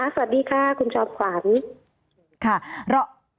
สวัสดีค่ะคุณชอบขวาน